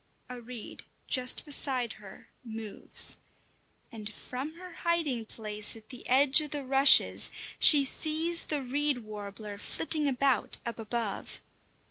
A reed just beside her moves, and from her hiding place at the edge of the rushes she sees the reed warbler flitting about up above.